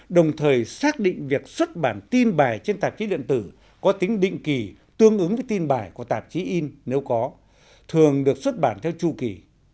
đồng thời xác định việc xuất bản tin bài trên tạp chí điện tử có tính định kỳ tương ứng với tin bài của tạp chí in nếu có thường được xuất bản theo chu kỳ